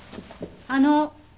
あの。